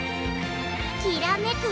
きらめく